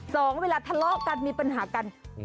เวลาทะเลาะกันมีปัญหากัน